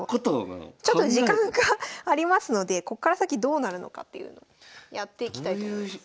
ちょっと時間がありますのでこっから先どうなるのかっていうのをやっていきたいと思います。